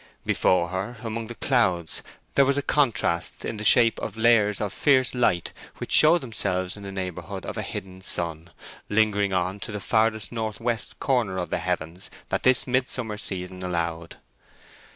Before her, among the clouds, there was a contrast in the shape of lairs of fierce light which showed themselves in the neighbourhood of a hidden sun, lingering on to the farthest north west corner of the heavens that this midsummer season allowed.